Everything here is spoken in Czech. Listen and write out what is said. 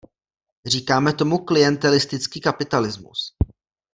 Říkáme tomu klientelistický kapitalismus.